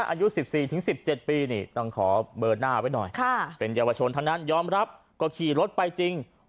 อายุ๑๔๑๗ปีนี่ต้องขอเบอร์หน้าไว้หน่อยเป็นเยาวชนทั้งนั้นยอมรับก็ขี่รถไปจริง